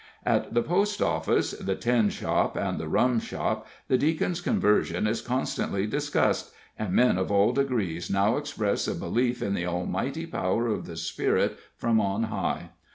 At the post office, the tin shop and the rum shop the Deacon's conversion is constantly discussed, and men of all degrees now express a belief in the mighty power of the Spirit from on high.